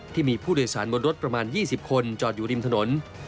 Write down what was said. ที่มีผู้โดยสารบนรถประมาณ๒๐คนจอดอยู่ริมถนน